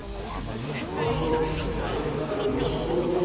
まわしをたたいてまわしを取るぞと。